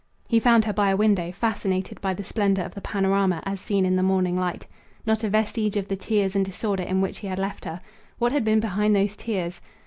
He found her by a window fascinated by the splendour of the panorama as seen in the morning light. Not a vestige of the tears and disorder in which he had left her. What had been behind those tears?